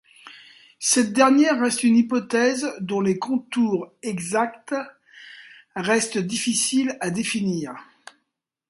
Cette dernière reste une hypothèse dont les contours exacts restent difficiles à définir.